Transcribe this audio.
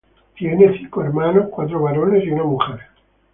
Tiene cinco hermanos, cuatro varones y una mujer.